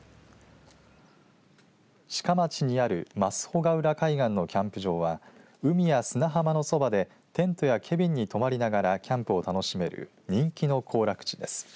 志賀町にある増穂浦海岸のキャンプ場は海や砂浜のそばでテントやケビンに泊まりながらキャンプを楽しめる人気の行楽地です